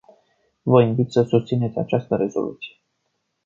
Vă invit să susțineți această rezoluție.